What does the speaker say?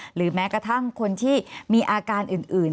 หรือแม้กระทั่งคนที่มีอาการอื่น